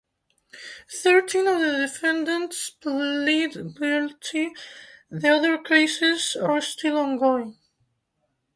Thirteen of the defendants plead guilty; the other cases are still ongoing.